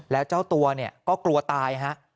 แล้วเจ้าตัวเนี่ยก็กลัวตายฮะ